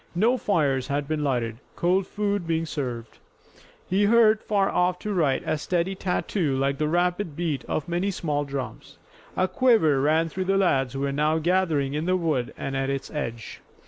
No fires had been lighted, cold food being served. He heard far off to right a steady tattoo like the rapid beat of many small drums. A quiver ran through the lads who were now gathering in the wood and at its edge.